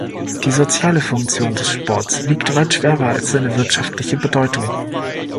Die soziale Funktion des Sports wiegt weit schwerer als seine wirtschaftliche Bedeutung.